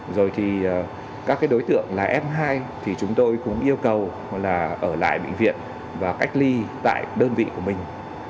đối tượng là f hai thì chúng tôi cũng yêu cầu là ở lại bệnh viện và cách ly tại đơn vị của mình